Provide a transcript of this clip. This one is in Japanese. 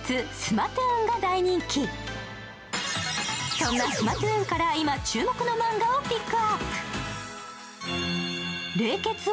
そんなスマトゥーンから今注目のマンガをピックアップ。